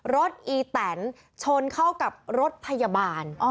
อีแตนชนเข้ากับรถพยาบาล